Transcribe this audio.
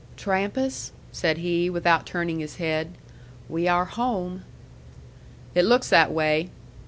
"Trampas," said he, without turning his head, "we are home." "It looks that way."